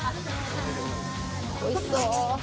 おいしそう。